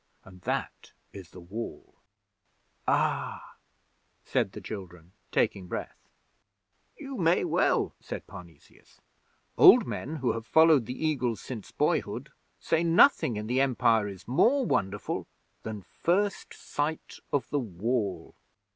And that is the Wall!' 'Ah!' said the children, taking breath. 'You may well,' said Parnesius. 'Old men who have followed the Eagles since boyhood say nothing in the Empire is more wonderful than first sight of the Wall!'